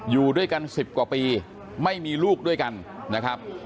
อยู่ด้วยกัน๑๐กว่าปีไม่มีลูกด้วยกันนะครับ